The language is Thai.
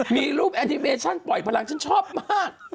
มีรูปแอนิเมชั่นปล่อยพลังฉันชอบมาก